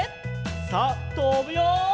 さあとぶよ！